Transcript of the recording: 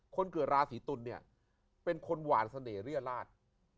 คนเกิดราศีตุลเนี่ยเป็นคนหวานเสน่หเรียราช